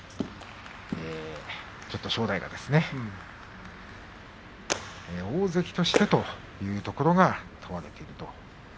ちょっと正代が大関としてというところが問われていると。